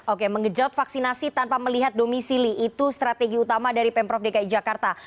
oke mengejot vaksinasi tanpa melihat domisili itu strategi utama dari pemprov dki jakarta